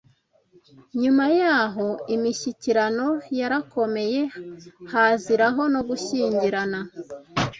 Nyuma yaho imishyikirano yarakomeye, haziraho no gushyingirana